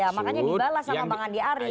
ya makanya dibalas sama bang andi arief itu ya